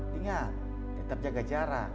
tinggal tetap jaga jarak